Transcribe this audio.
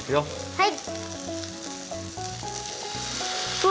はい！